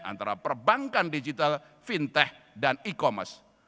antara perbankan digital fintech dan e commerce